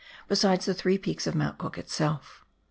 besides the three peaks of Mount Cook itself.